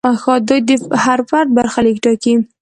دوی د هر فرد برخلیک ټاکي.